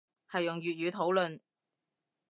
係用粵語討論